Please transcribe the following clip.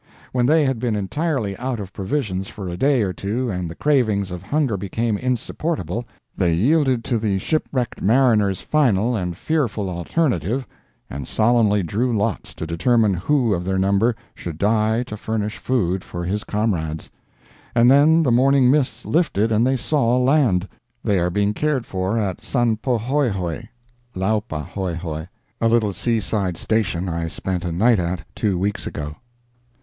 When they had been entirely out of provisions for a day or two and the cravings of hunger became insupportable, they yielded to the shipwrecked mariner's final and fearful alternative, and solemnly drew lots to determine who of their number should die to furnish food for his comrades—and then the morning mists lifted and they saw land. They are being cared for at Sanpohoihoi [Laupahoehoe], a little seaside station I spent a night at two weeks ago.